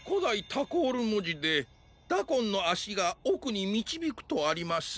タコールもじで「ダコンのあしがおくにみちびく」とあります。